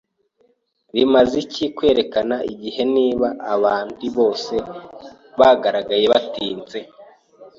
Bimaze iki kwerekana igihe niba abandi bose bagaragaye batinze?